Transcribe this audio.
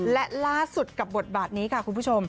และล่าสุดกับบทบาทนี้ค่ะคุณผู้ชม